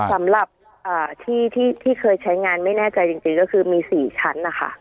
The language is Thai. สำหรับที่ที่เคยใช้งานไม่แน่ใจจริงก็คือมี๔ชั้นนะคะ